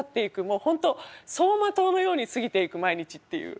もう本当走馬灯のように過ぎていく毎日っていう。